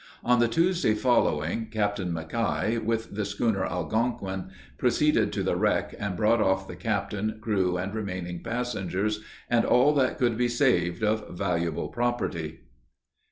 On the Tuesday following, Capt. McKay with the schooner Algonquin, proceeded to the wreck, and brought off the captain, crew, and remaining passengers, and all that could be saved of valuable property.